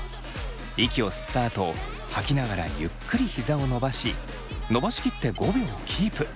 息を吸ったあと吐きながらゆっくりひざを伸ばし伸ばしきって５秒キープ。